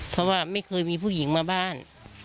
เพราะว่าไม่เคยมีผู้หญิงมาบ้าน